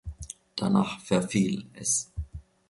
Danach verfiel es.